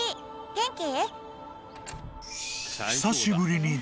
元気？